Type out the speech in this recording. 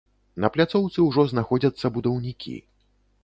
На пляцоўцы ўжо знаходзяцца будаўнікі.